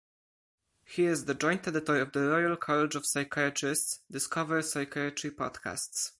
He is the joint editor of the Royal College of Psychiatrists "discover psychiatry podcasts".